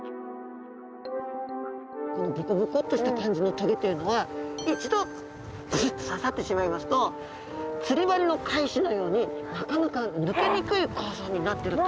このボコボコっとした感じの棘っていうのは一度ぶすっと刺さってしまいますと釣り針の返しのようになかなか抜けにくい構造になってると考えられています。